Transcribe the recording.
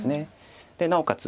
なおかつ